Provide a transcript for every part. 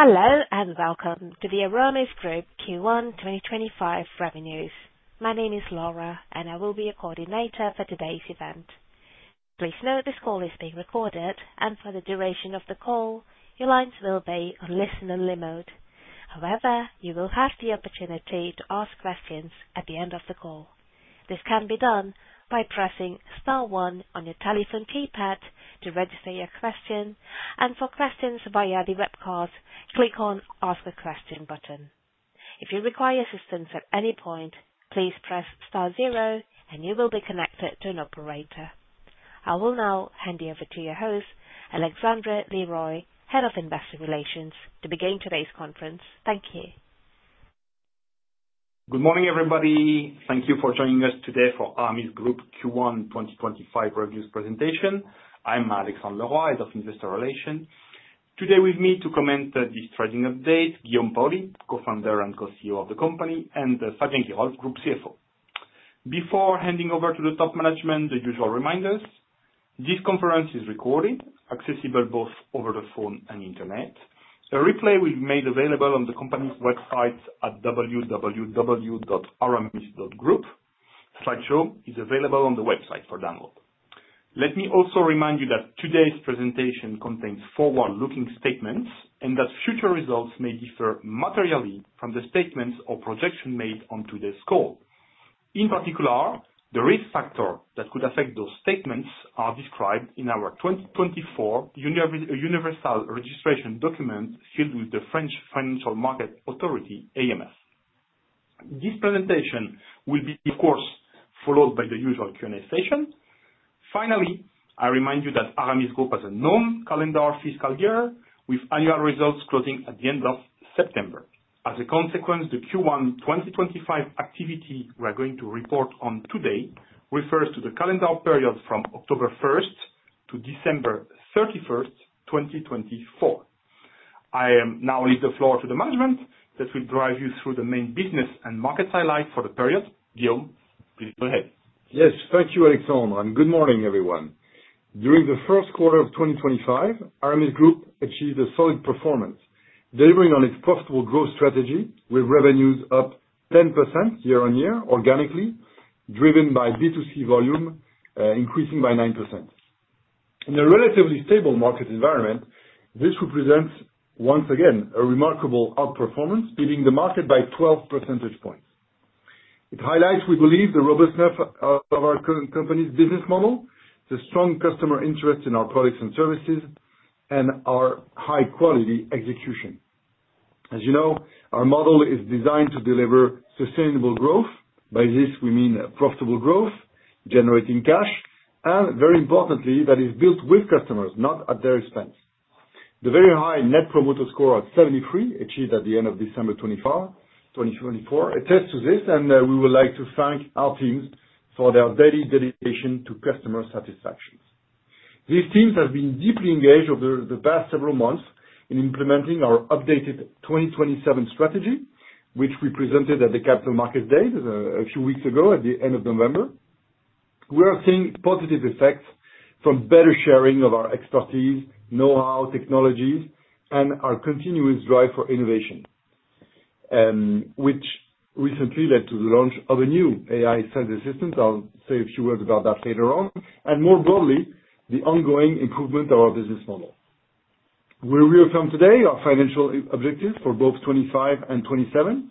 Hello and welcome to the Aramis Group Q1 2025 revenues. My name is Laura, and I will be your coordinator for today's event. Please note this call is being recorded, and for the duration of the call, your lines will be on listen-only mode. However, you will have the opportunity to ask questions at the end of the call. This can be done by pressing star one on your telephone keypad to register your question, and for questions via the webcast, click on the Ask a Question button. If you require assistance at any point, please press star zero, and you will be connected to an operator. I will now hand you over to your host, Alexandre Leroy, Head of Investor Relations, to begin today's conference. Thank you. Good morning, everybody. Thank you for joining us today for Aramis Group Q1 2025 revenues presentation. I'm Alexandre Leroy, Head of Investor Relations. Today, with me to comment on this trading update, Guillaume Paoli, co-founder and co-CEO of the company, and Fabien Geerolf, Group CFO. Before handing over to the top management, the usual reminders: this conference is recorded, accessible both over the phone and internet. A replay will be made available on the company's website at www.aramis.group. The slideshow is available on the website for download. Let me also remind you that today's presentation contains forward-looking statements and that future results may differ materially from the statements or projections made on today's call. In particular, the risk factors that could affect those statements are described in our 2024 Universal Registration Document filed with the French Financial Market Authority, AMF. This presentation will be, of course, followed by the usual Q&A session. Finally, I remind you that Aramis Group has a non-calendar fiscal year, with annual results closing at the end of September. As a consequence, the Q1 2025 activity we are going to report on today refers to the calendar period from October 1st to December 31st, 2024. I now leave the floor to the management that will drive you through the main business and markets highlights for the period. Guillaume, please go ahead. Yes, thank you, Alexandre, and good morning, everyone. During the first quarter of 2025, Aramis Group achieved a solid performance, delivering on its profitable growth strategy, with revenues up 10% year-on-year organically, driven by B2C volume increasing by 9%. In a relatively stable market environment, this represents, once again, a remarkable outperformance, beating the market by 12 percentage points. It highlights, we believe, the robustness of our company's business model, the strong customer interest in our products and services, and our high-quality execution. As you know, our model is designed to deliver sustainable growth. By this, we mean profitable growth, generating cash, and, very importantly, that is built with customers, not at their expense. The very high Net Promoter Score of 73 achieved at the end of December 2024 attests to this, and we would like to thank our teams for their daily dedication to customer satisfaction. These teams have been deeply engaged over the past several months in implementing our updated 2027 strategy, which we presented at the Capital Markets Day a few weeks ago at the end of November. We are seeing positive effects from better sharing of our expertise, know-how, technologies, and our continuous drive for innovation, which recently led to the launch of a new AI sales assistant. I'll say a few words about that later on, and more broadly, the ongoing improvement of our business model. We reaffirm today our financial objectives for both 2025 and 2027,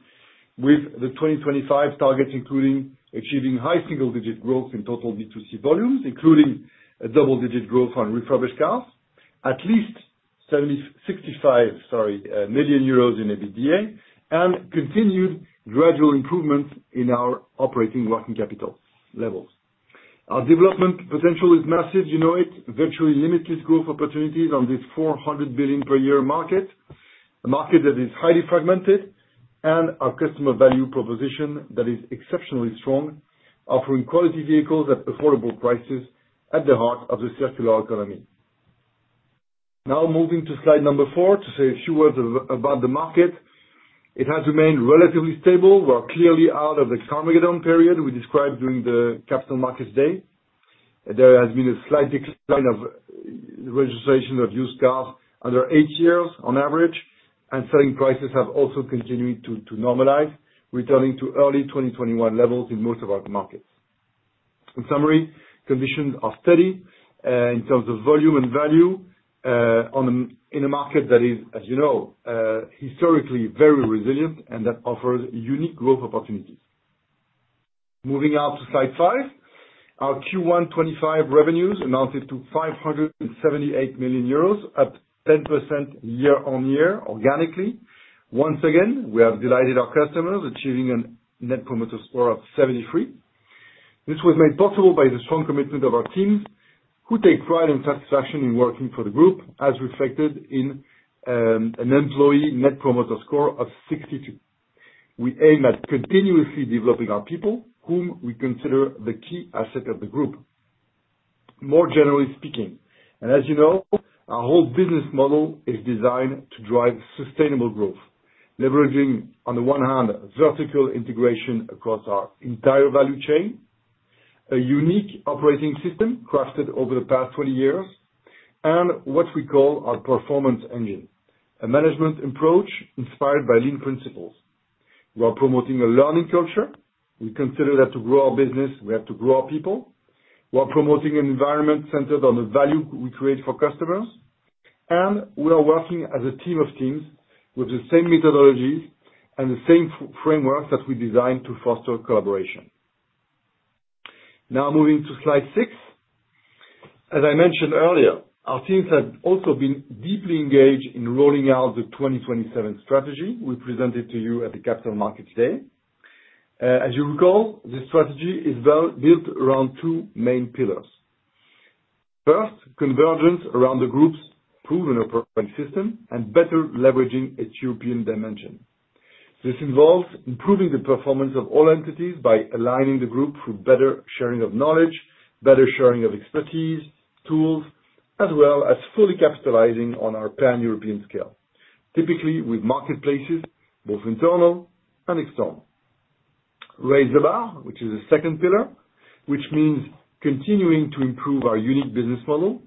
with the 2025 targets including achieving high single-digit growth in total B2C volumes, including a double-digit growth on refurbished cars, at least 65 million euros in EBITDA, and continued gradual improvements in our operating working capital levels. Our development potential is massive. You know it. Virtually limitless growth opportunities on this €400 billion per year market, a market that is highly fragmented, and our customer value proposition that is exceptionally strong, offering quality vehicles at affordable prices at the heart of the circular economy. Now, moving to slide number four to say a few words about the market. It has remained relatively stable. We are clearly out of the Carmageddon period we described during the Capital Markets Day. There has been a slight decline of registrations of used cars under eight years on average, and selling prices have also continued to normalize, returning to early 2021 levels in most of our markets. In summary, conditions are steady in terms of volume and value in a market that is, as you know, historically very resilient and that offers unique growth opportunities. Moving out to slide five, our Q1 2025 revenues amounted to €578 million, up 10% year-on-year organically. Once again, we have delighted our customers, achieving a Net Promoter Score of 73. This was made possible by the strong commitment of our team, who take pride and satisfaction in working for the group, as reflected in an Employee Net Promoter Score of 62. We aim at continuously developing our people, whom we consider the key asset of the group. More generally speaking, and as you know, our whole business model is designed to drive sustainable growth, leveraging, on the one hand, vertical integration across our entire value chain, a unique operating system crafted over the past 20 years, and what we call our performance engine, a management approach inspired by lean principles. We are promoting a learning culture. We consider that to grow our business, we have to grow our people. We are promoting an environment centered on the value we create for customers, and we are working as a team of teams with the same methodologies and the same frameworks that we designed to foster collaboration. Now, moving to slide six. As I mentioned earlier, our teams have also been deeply engaged in rolling out the 2027 strategy we presented to you at the Capital Markets Day. As you recall, this strategy is built around two main pillars. First, convergence around the group's proven operating system and better leveraging its European dimension. This involves improving the performance of all entities by aligning the group through better sharing of knowledge, better sharing of expertise, tools, as well as fully capitalizing on our pan-European scale, typically with marketplaces, both internal and external. Raise the bar, which is the second pillar, which means continuing to improve our unique business model.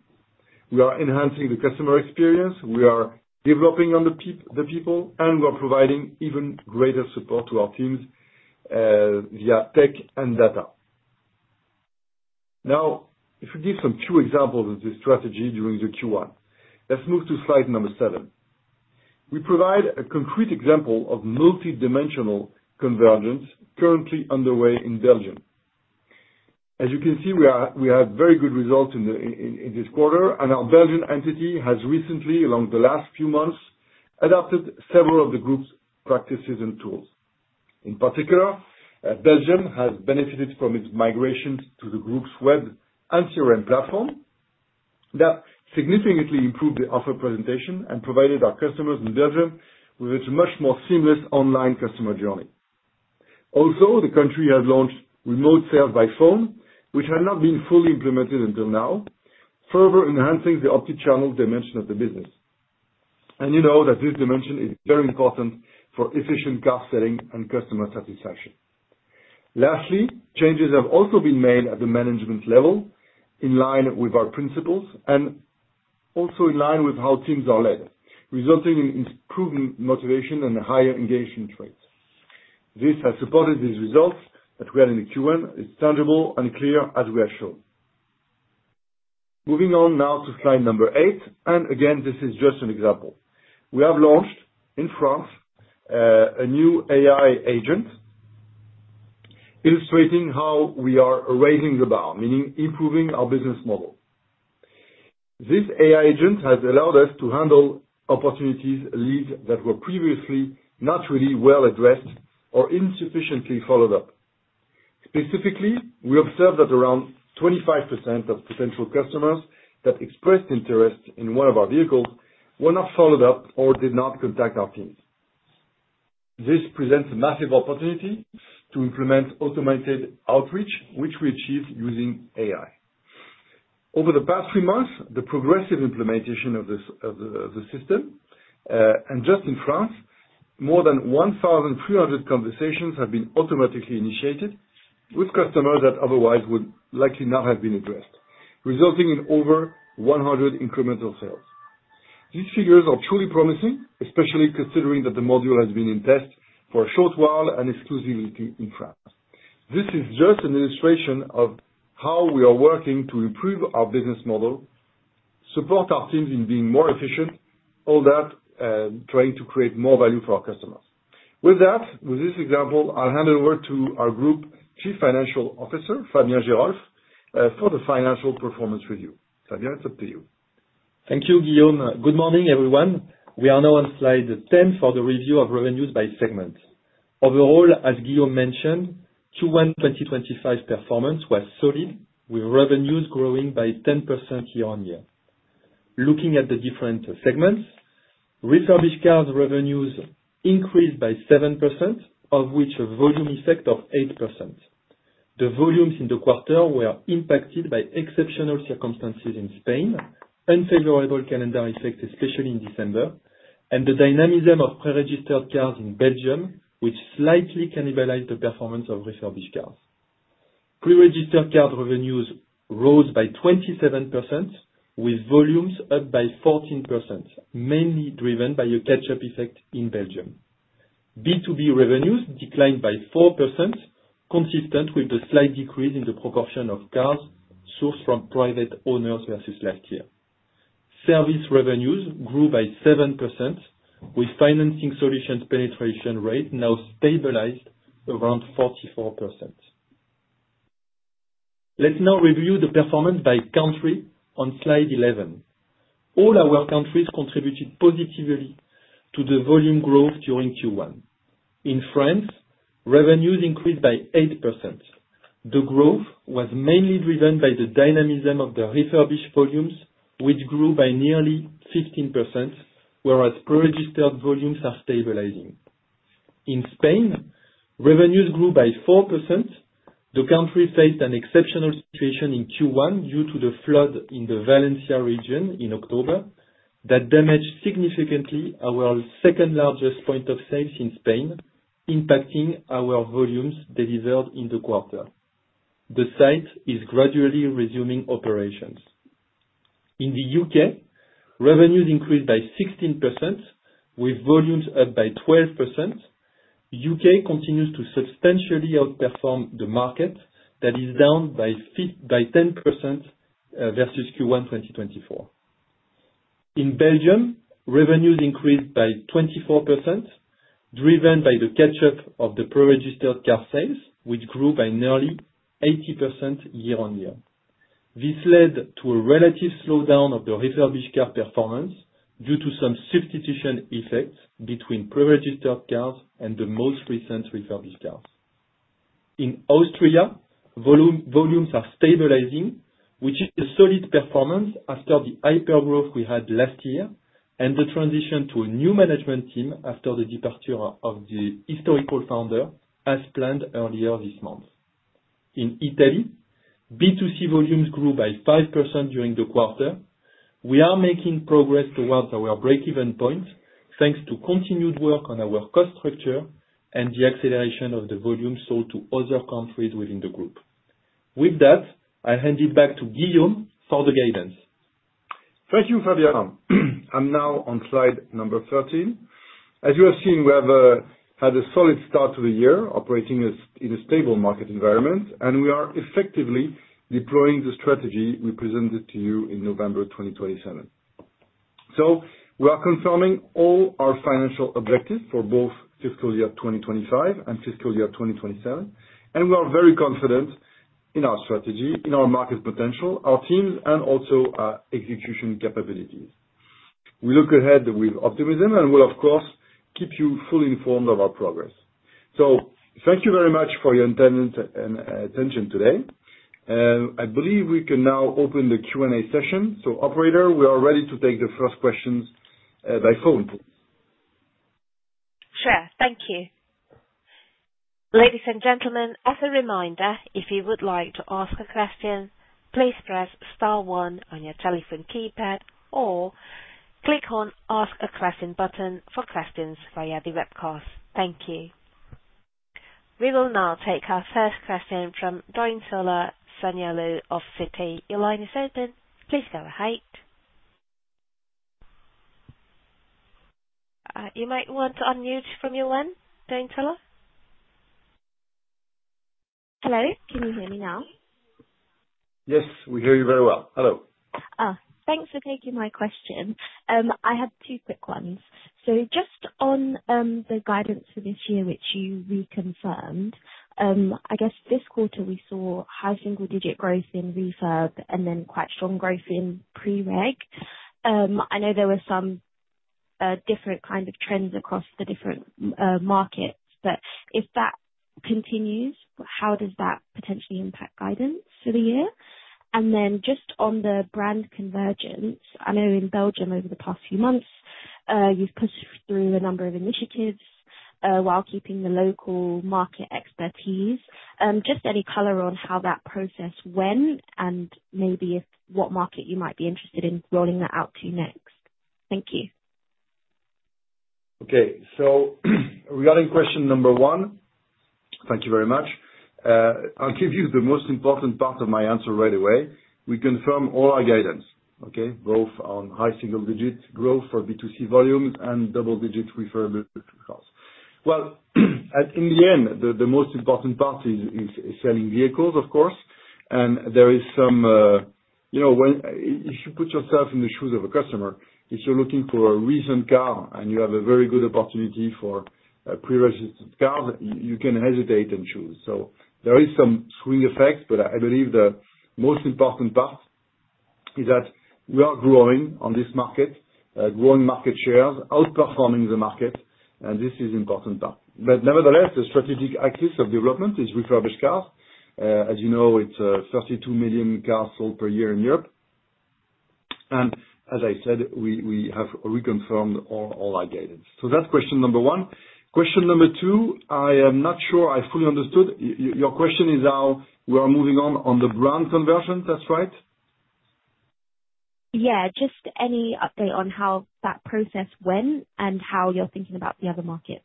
We are enhancing the customer experience. We are developing on the people, and we are providing even greater support to our teams via tech and data. Now, if we give some few examples of this strategy during the Q1, let's move to slide number seven. We provide a concrete example of multidimensional convergence currently underway in Belgium. As you can see, we have very good results in this quarter, and our Belgian entity has recently, along the last few months, adopted several of the group's practices and tools. In particular, Belgium has benefited from its migration to the group's web and CRM platform. That significantly improved the offer presentation and provided our customers in Belgium with a much more seamless online customer journey. Also, the country has launched remote sales by phone, which had not been fully implemented until now, further enhancing the omnichannel dimension of the business. And you know that this dimension is very important for efficient car selling and customer satisfaction. Lastly, changes have also been made at the management level in line with our principles and also in line with how teams are led, resulting in improved motivation and higher engagement rates. This has supported these results that we had in the Q1. It's tangible and clear, as we have shown. Moving on now to slide number eight. And again, this is just an example. We have launched in France a new AI agent, illustrating how we are raising the bar, meaning improving our business model. This AI agent has allowed us to handle opportunities that were previously not really well addressed or insufficiently followed up. Specifically, we observed that around 25% of potential customers that expressed interest in one of our vehicles were not followed up or did not contact our teams. This presents a massive opportunity to implement automated outreach, which we achieved using AI. Over the past three months, the progressive implementation of the system, and just in France, more than 1,300 conversations have been automatically initiated with customers that otherwise would likely not have been addressed, resulting in over 100 incremental sales. These figures are truly promising, especially considering that the module has been in test for a short while and exclusively in France. This is just an illustration of how we are working to improve our business model, support our teams in being more efficient, all that trying to create more value for our customers. With that, with this example, I'll hand it over to our Group Chief Financial Officer, Fabien Geerolf, for the financial performance review. Fabien, it's up to you. Thank you, Guillaume. Good morning, everyone. We are now on slide 10 for the review of revenues by segment. Overall, as Guillaume mentioned, Q1 2025 performance was solid, with revenues growing by 10% year-on-year. Looking at the different segments, refurbished cars revenues increased by 7%, of which a volume effect of 8%. The volumes in the quarter were impacted by exceptional circumstances in Spain, unfavorable calendar effect, especially in December, and the dynamism of pre-registered cars in Belgium, which slightly cannibalized the performance of refurbished cars. Pre-registered car revenues rose by 27%, with volumes up by 14%, mainly driven by a catch-up effect in Belgium. B2B revenues declined by 4%, consistent with the slight decrease in the proportion of cars sourced from private owners versus last year. Service revenues grew by 7%, with financing solutions penetration rate now stabilized around 44%. Let's now review the performance by country on slide 11. All our countries contributed positively to the volume growth during Q1. In France, revenues increased by 8%. The growth was mainly driven by the dynamism of the refurbished volumes, which grew by nearly 15%, whereas pre-registered volumes are stabilizing. In Spain, revenues grew by 4%. The country faced an exceptional situation in Q1 due to the flood in the Valencia region in October that damaged significantly our second-largest point of sale in Spain, impacting our volumes delivered in the quarter. The site is gradually resuming operations. In the U.K., revenues increased by 16%, with volumes up by 12%. The U.K. continues to substantially outperform the market that is down by 10% versus Q1 2024. In Belgium, revenues increased by 24%, driven by the catch-up of the pre-registered car sales, which grew by nearly 80% year-on-year. This led to a relative slowdown of the refurbished car performance due to some substitution effects between pre-registered cars and the most recent refurbished cars. In Austria, volumes are stabilizing, which is a solid performance after the hypergrowth we had last year and the transition to a new management team after the departure of the historical founder, as planned earlier this month. In Italy, B2C volumes grew by 5% during the quarter. We are making progress towards our break-even point, thanks to continued work on our cost structure and the acceleration of the volume sold to other countries within the group. With that, I'll hand it back to Guillaume for the guidance. Thank you, Fabien. I'm now on slide number 13. As you have seen, we have had a solid start to the year, operating in a stable market environment, and we are effectively deploying the strategy we presented to you in November 2027, so we are confirming all our financial objectives for both fiscal year 2025 and fiscal year 2027, and we are very confident in our strategy, in our market potential, our teams, and also our execution capabilities. We look ahead with optimism and will, of course, keep you fully informed of our progress, so thank you very much for your attention today. I believe we can now open the Q&A session, so, operator, we are ready to take the first questions by phone. Sure. Thank you. Ladies and gentlemen, as a reminder, if you would like to ask a question, please press star one on your telephone keypad or click on ask a question button for questions via the webcast. Thank you. We will now take our first question from Dwayne Tsulla of Citi. Your line is open. Please go ahead. You might want to unmute from your line, Dwayne Tsulla. Hello. Can you hear me now? Yes, we hear you very well. Hello. Thanks for taking my question. I have two quick ones. So just on the guidance for this year, which you reconfirmed, I guess this quarter we saw high single-digit growth in refurb and then quite strong growth in pre-reg. I know there were some different kind of trends across the different markets, but if that continues, how does that potentially impact guidance for the year? And then just on the brand convergence, I know in Belgium over the past few months, you've pushed through a number of initiatives while keeping the local market expertise. Just any color on how that process went and maybe what market you might be interested in rolling that out to next. Thank you. Okay, so regarding question number one, thank you very much. I'll give you the most important part of my answer right away. We confirm all our guidance, okay, both on high single-digit growth for B2C volumes and double-digit refurbished cars, well, in the end, the most important part is selling vehicles, of course. And there is some, if you put yourself in the shoes of a customer, if you're looking for a recent car and you have a very good opportunity for pre-registered cars, you can hesitate and choose, so there is some swing effect, but I believe the most important part is that we are growing on this market, growing market shares, outperforming the market, and this is the important part, but nevertheless, the strategic axis of development is refurbished cars. As you know, it's 32 million cars sold per year in Europe. As I said, we have reconfirmed all our guidance. That's question number one. Question number two, I am not sure I fully understood. Your question is how we are moving on the brand conversion, that's right? Yeah. Just any update on how that process went and how you're thinking about the other markets?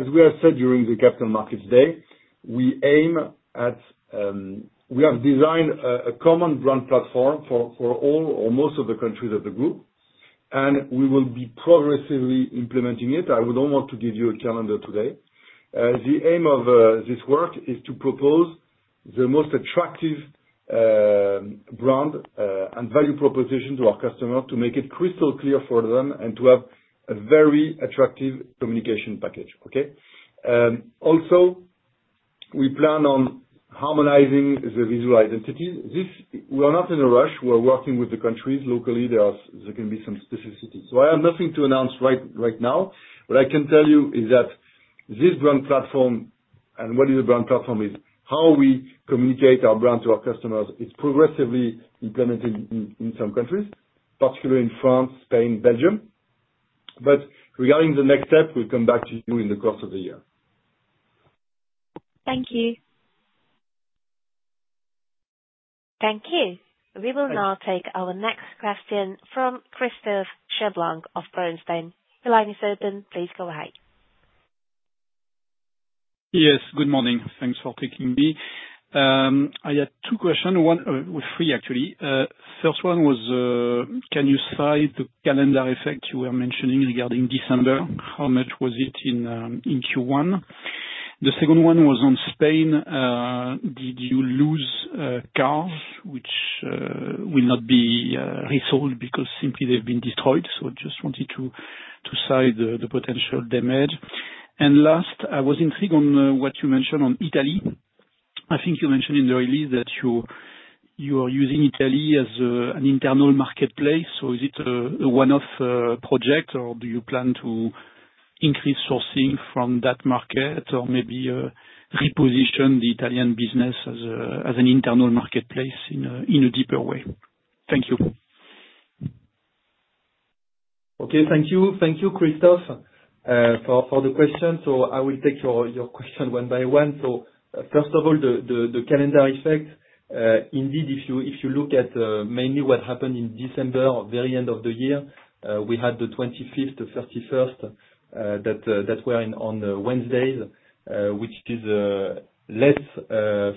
As we have said during the Capital Markets Day, we aim to have designed a common brand platform for all or most of the countries of the group, and we will be progressively implementing it. I would not want to give you a calendar today. The aim of this work is to propose the most attractive brand and value proposition to our customers to make it crystal clear for them and to have a very attractive communication package, okay? Also, we plan on harmonizing the visual identity. We are not in a rush. We're working with the countries. Locally, there can be some specificities. I have nothing to announce right now. What I can tell you is that this brand platform and what the brand platform is, how we communicate our brand to our customers, it's progressively implemented in some countries, particularly in France, Spain, Belgium. But regarding the next step, we'll come back to you in the course of the year. Thank you. Thank you. We will now take our next question from Christophe Cherblanc of Société Générale. The line is open. Please go ahead. Yes, good morning. Thanks for taking me. I had two questions, three actually. First one was, can you cite the calendar effect you were mentioning regarding December? How much was it in Q1? The second one was on Spain. Did you lose cars which will not be resold because simply they've been destroyed? So I just wanted to cite the potential damage. And last, I was intrigued on what you mentioned on Italy. I think you mentioned in the release that you are using Italy as an internal marketplace. So is it a one-off project, or do you plan to increase sourcing from that market or maybe reposition the Italian business as an internal marketplace in a deeper way? Thank you. Okay. Thank you. Thank you, Christophe, for the question. So I will take your question one by one. So first of all, the calendar effect, indeed, if you look at mainly what happened in December, very end of the year, we had the 25th to 31st that were on Wednesdays, which is less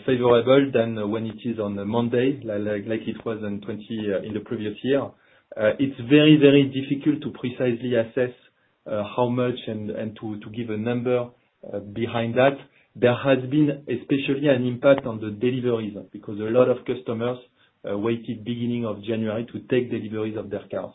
favorable than when it is on Monday, like it was in the previous year. It's very, very difficult to precisely assess how much and to give a number behind that. There has been especially an impact on the deliveries because a lot of customers waited beginning of January to take deliveries of their cars.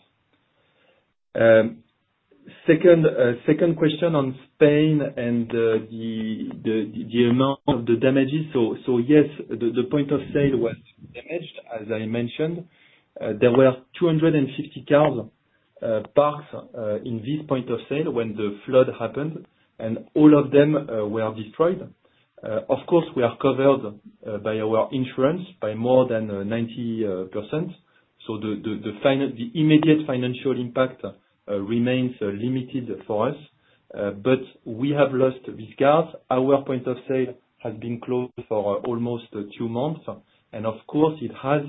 Second question on Spain and the amount of the damages. So yes, the point of sale was damaged, as I mentioned. There were 250 cars parked in this point of sale when the flood happened, and all of them were destroyed. Of course, we are covered by our insurance by more than 90%. So the immediate financial impact remains limited for us, but we have lost these cars. Our point of sale has been closed for almost two months, and of course, it has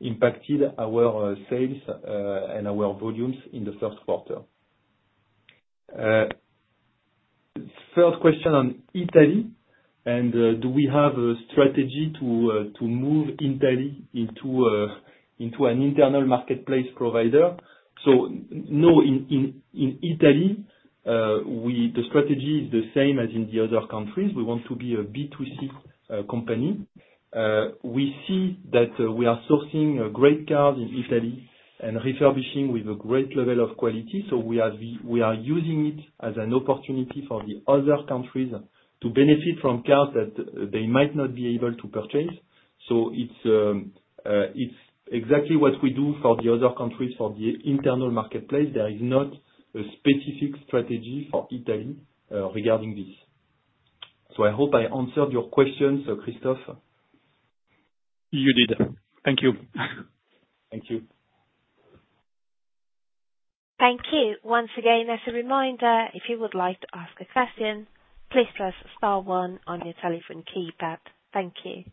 impacted our sales and our volumes in the first quarter. Third question on Italy, and do we have a strategy to move Italy into an internal marketplace provider? So no, in Italy, the strategy is the same as in the other countries. We want to be a B2C company. We see that we are sourcing great cars in Italy and refurbishing with a great level of quality. So we are using it as an opportunity for the other countries to benefit from cars that they might not be able to purchase. So it's exactly what we do for the other countries for the internal marketplace. There is not a specific strategy for Italy regarding this. So I hope I answered your questions, Christophe. You did. Thank you. Thank you. Thank you. Once again, as a reminder, if you would like to ask a question, please press star one on your telephone keypad. Thank you.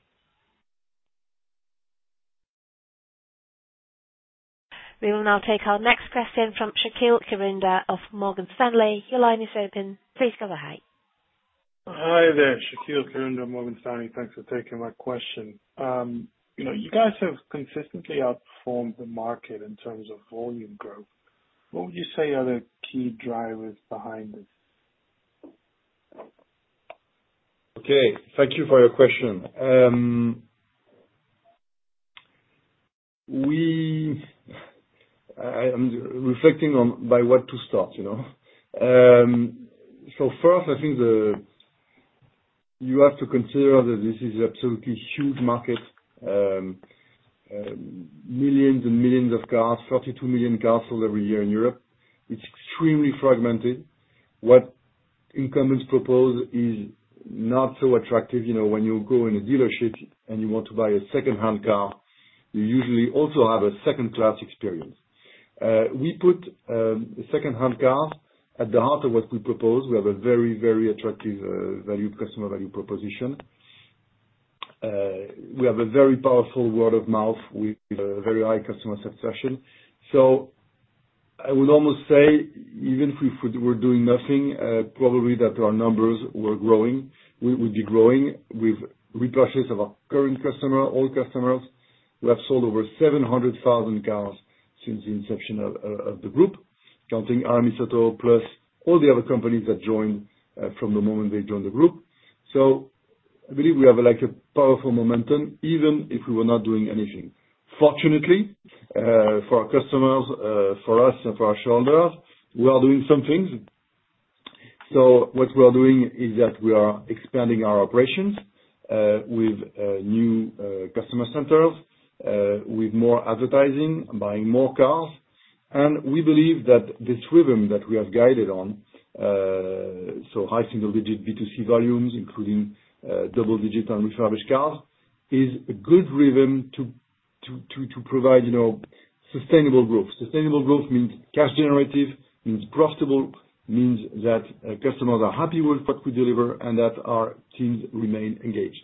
We will now take our next question from Shakil Kirunda of Morgan Stanley. Your line is open. Please go ahead. Hi there, Shakil Kirunda, Morgan Stanley. Thanks for taking my question. You guys have consistently outperformed the market in terms of volume growth. What would you say are the key drivers behind this? Okay. Thank you for your question. I'm reflecting on by what to start. So first, I think you have to consider that this is an absolutely huge market, millions and millions of cars, 42 million cars sold every year in Europe. It's extremely fragmented. What incumbents propose is not so attractive. When you go in a dealership and you want to buy a second-hand car, you usually also have a second-class experience. We put second-hand cars at the heart of what we propose. We have a very, very attractive customer value proposition. We have a very powerful word of mouth with very high customer satisfaction. So I would almost say, even if we were doing nothing, probably that our numbers were growing, would be growing with repurchase of our current customers, old customers. We have sold over 700,000 cars since the inception of the group, counting Aramisauto plus all the other companies that joined from the moment they joined the group, so I believe we have a powerful momentum even if we were not doing anything. Fortunately for our customers, for us and for our shareholders, we are doing some things, so what we are doing is that we are expanding our operations with new customer centers, with more advertising, buying more cars, and we believe that this rhythm that we have guided on, so high single-digit B2C volumes, including double-digit and refurbished cars, is a good rhythm to provide sustainable growth. Sustainable growth means cash generative, means profitable, means that customers are happy with what we deliver and that our teams remain engaged.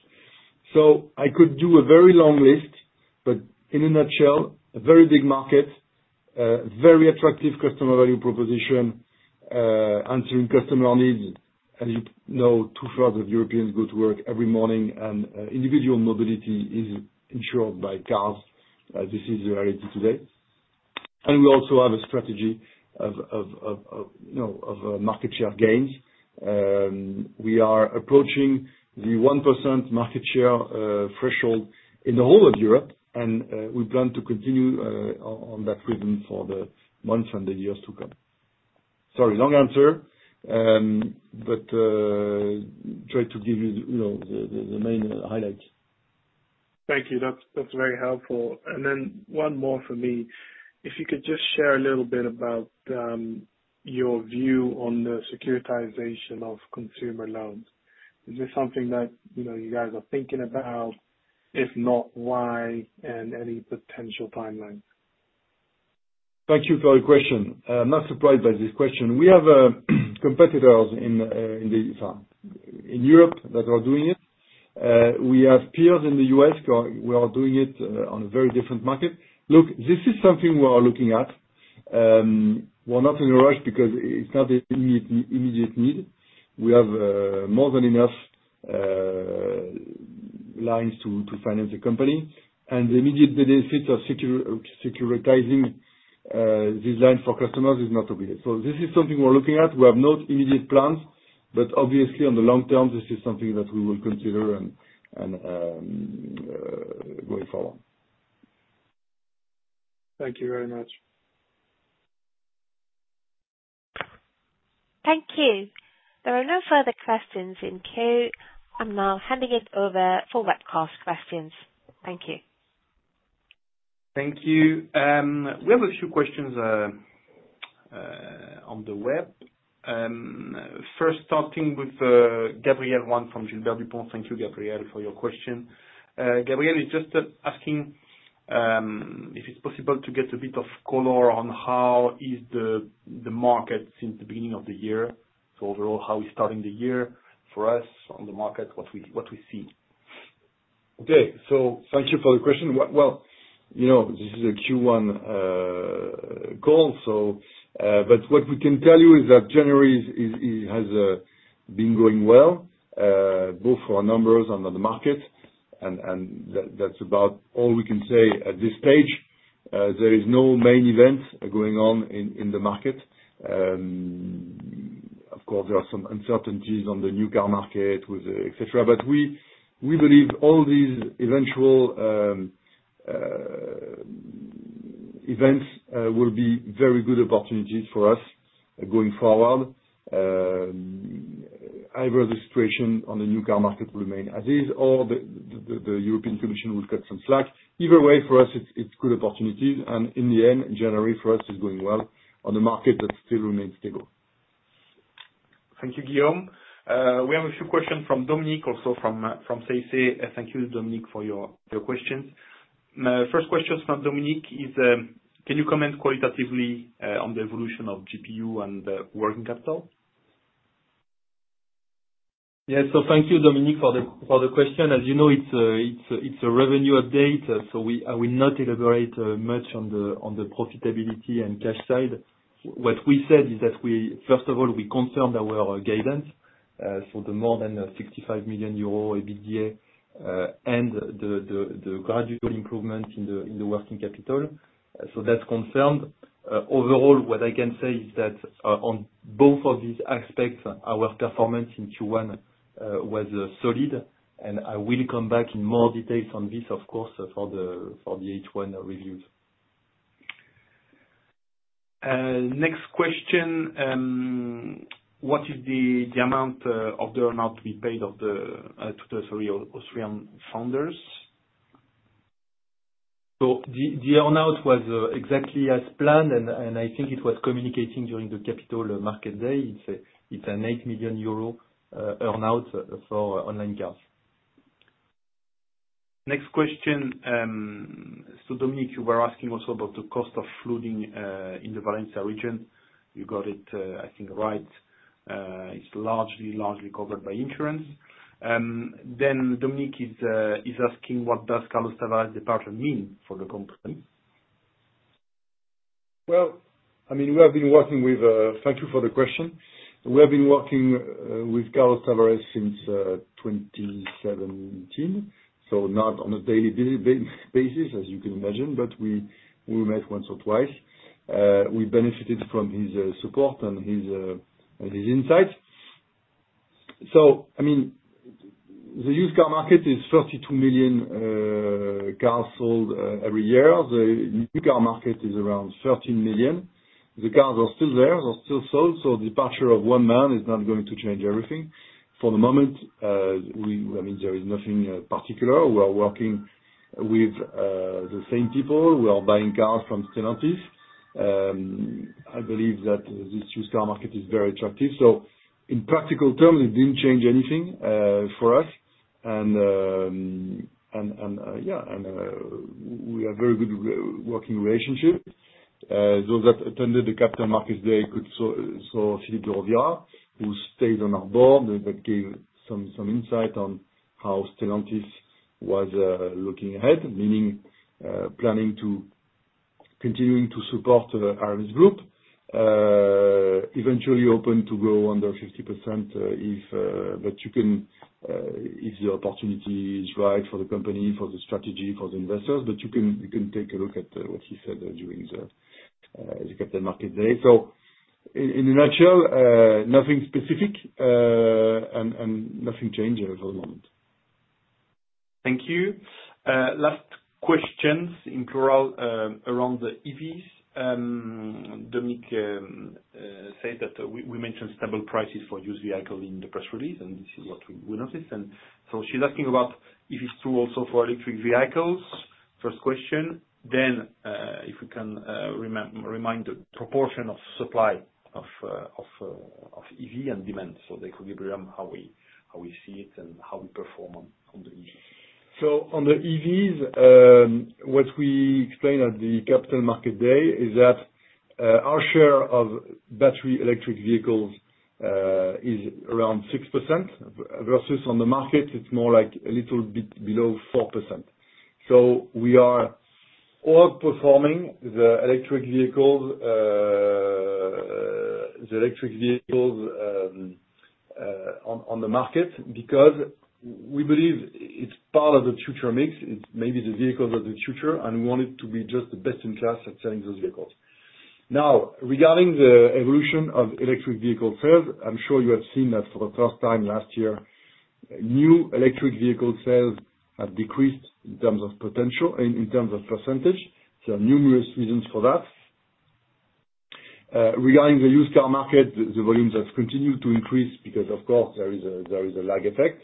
So I could do a very long list, but in a nutshell, a very big market, very attractive customer value proposition, answering customer needs. As you know, two-thirds of Europeans go to work every morning, and individual mobility is ensured by cars. This is the reality today. And we also have a strategy of market share gains. We are approaching the 1% market share threshold in the whole of Europe, and we plan to continue on that rhythm for the months and the years to come. Sorry, long answer, but try to give you the main highlights. Thank you. That's very helpful. And then one more for me. If you could just share a little bit about your view on the securitization of consumer loans. Is this something that you guys are thinking about? If not, why and any potential timeline? Thank you for the question. I'm not surprised by this question. We have competitors in Europe that are doing it. We have peers in the U.S. who are doing it on a very different market. Look, this is something we are looking at. We're not in a rush because it's not an immediate need. We have more than enough lines to finance the company, and the immediate benefits of securitizing these lines for customers is not obvious. So this is something we're looking at. We have no immediate plans, but obviously, on the long term, this is something that we will consider going forward. Thank you very much. Thank you. There are no further questions in queue. I'm now handing it over for webcast questions. Thank you. Thank you. We have a few questions on the web. First, starting with Gabriel Jouan from Gilbert Dupont. Thank you, Gabriel, for your question. Gabriel is just asking if it's possible to get a bit of color on how is the market since the beginning of the year. So overall, how we're starting the year for us on the market, what we see. Okay. So thank you for the question. Well, this is a Q1 call. But what we can tell you is that January has been going well, both for numbers and on the market. And that's about all we can say at this stage. There is no main event going on in the market. Of course, there are some uncertainties on the new car market, etc. But we believe all these eventual events will be very good opportunities for us going forward. Either the situation on the new car market will remain as is, or the European Commission will cut some slack. Either way, for us, it's good opportunities. And in the end, January for us is going well on a market that still remains stable. Thank you, Guillaume. We have a few questions from Dominique, also from CIC. Thank you, Dominique, for your questions. First question from Dominique is, can you comment qualitatively on the evolution of GPU and working capital? Yes, so thank you, Dominique, for the question. As you know, it's a revenue update, so I will not elaborate much on the profitability and cash side. What we said is that, first of all, we confirmed our guidance for the more than 65 million euro EBITDA and the gradual improvement in the working capital. So that's confirmed. Overall, what I can say is that on both of these aspects, our performance in Q1 was solid, and I will come back in more details on this, of course, for the H1 reviews. Next question. What is the amount of the earnout we paid to the three Austrian founders? The earnout was exactly as planned, and I think it was communicating during the Capital Markets Day. It's an 8 million euro earnout for Onlinecars. Next question. So Dominique, you were asking also about the cost of flooding in the Valencia region. You got it, I think, right. It's largely, largely covered by insurance. Then Dominique is asking, what does Carlos Tavares' departure mean for the company? Thank you for the question. Well, I mean, we have been working with Carlos Tavares since 2017, so not on a daily basis, as you can imagine, but we met once or twice. We benefited from his support and his insights. So I mean, the used car market is 42 million cars sold every year. The new car market is around 13 million. The cars are still there. They're still sold. So the departure of one man is not going to change everything. For the moment, I mean, there is nothing particular. We are working with the same people. We are buying cars from Stellantis. I believe that this used car market is very attractive. So in practical terms, it didn't change anything for us, and yeah, and we have a very good working relationship. Those that attended the Capital Markets Day could see Philippe de Rovira, who stayed on our board, that gave some insight on how Stellantis was looking ahead, meaning planning to continue to support Aramis Group, eventually hoping to grow under 50% if the opportunity is right for the company, for the strategy, for the investors. But you can take a look at what he said during the Capital Markets Day. So in a nutshell, nothing specific and nothing changed for the moment. Thank you. Last questions in plural around the EVs. Dominique said that we mentioned stable prices for used vehicles in the press release, and this is what we noticed, and so she's asking about if it's true also for electric vehicles. First question, then if we can remind the proportion of supply of EV and demand, so they could be around how we see it and how we perform on the EVs. On the EVs, what we explained at the Capital Markets Day is that our share of battery electric vehicles is around 6% versus on the market. It's more like a little bit below 4%. We are outperforming the electric vehicles on the market because we believe it's part of the future mix. It's maybe the vehicles of the future, and we want it to be just the best in class at selling those vehicles. Now, regarding the evolution of electric vehicle sales, I'm sure you have seen that for the first time last year, new electric vehicle sales have decreased in terms of potential, in terms of percentage. There are numerous reasons for that. Regarding the used car market, the volumes have continued to increase because, of course, there is a lag effect.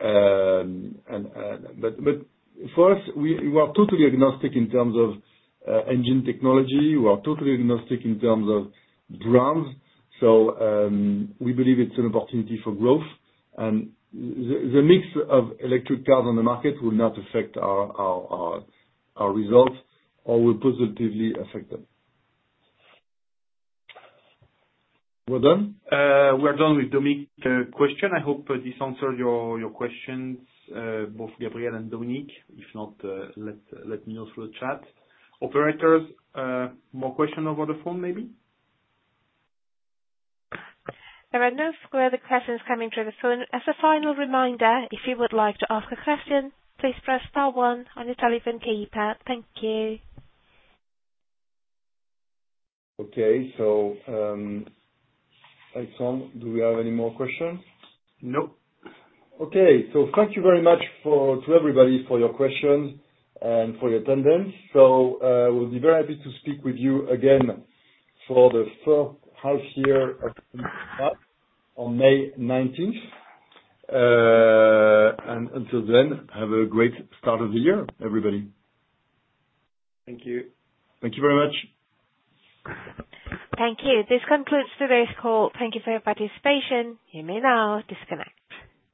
But for us, we are totally agnostic in terms of engine technology. We are totally agnostic in terms of brands, so we believe it's an opportunity for growth, and the mix of electric cars on the market will not affect our results or will positively affect them. We're done? We're done with Dominique's question. I hope this answered your questions, both Gabriel and Dominique. If not, let me know through the chat. Operators, more questions over the phone, maybe? There are no further questions coming through the phone. As a final reminder, if you would like to ask a question, please press star one on your telephone keypad. Thank you. Okay, so do we have any more questions? No. Okay. So, thank you very much to everybody for your questions and for your attendance. So, we'll be very happy to speak with you again for the first half year of 2025 on May 19th. And, until then, have a great start of the year, everybody. Thank you. Thank you very much. Thank you. This concludes today's call. Thank you for your participation. You may now disconnect.